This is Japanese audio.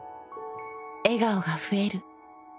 笑顔がふえる。